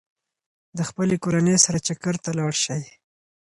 د خپلې کورنۍ سره چکر ته لاړ شئ.